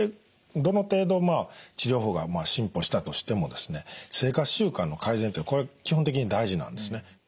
どの程度治療法が進歩したとしてもですね生活習慣の改善ってこれ基本的に大事なんですね。